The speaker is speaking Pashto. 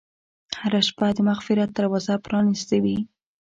هره شپه د مغفرت دروازه پرانستې وي.